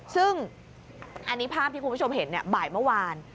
ซึ่งอันนี้ภาพที่คุณผู้ชมเห็นบ่ายเมื่อวาน